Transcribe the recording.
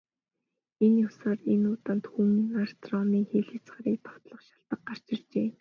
Тэр ёсоор энэ удаад Хүн нарт Ромын хил хязгаарыг довтлох шалтаг гарч иржээ.